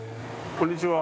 こんにちは。